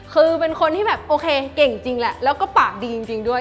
คือเป็นคนที่แบบโอเคเก่งจริงแหละแล้วก็ปากดีจริงด้วย